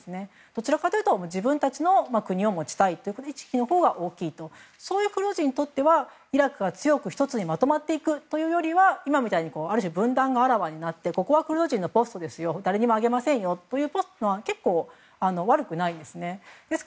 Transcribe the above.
どちらかというと自分たちの国を持ちたい意識が大きいとそういうクルド人にとってはイラクが強く１つにまとまっていくというよりは今みたいにある種、分断があらわになってここはクルド人のポストだから誰にもあげませんよというほうが悪くないんです。